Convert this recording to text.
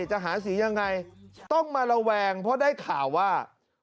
จะหาสียังไงต้องมาระแวงเพราะได้ข่าวว่า